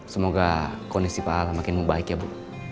semoga kondisi pak a makin membaik ya bu